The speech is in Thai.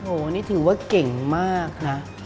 โอ้โหนี่ถือว่าเก่งมากนะ